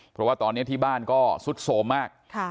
เพราะว่าตอนนี้ที่บ้านก็สุดโสมมาก